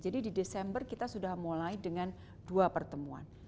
jadi di desember kita sudah mulai dengan dua pertemuan